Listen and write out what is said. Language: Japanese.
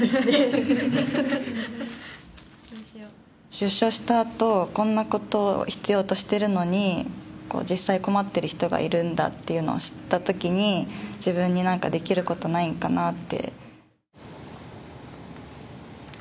出所したあとこんなことを必要としてるのに実際困っている人がいるんだっていうのを知ったときに自分になんかできることないのかなって。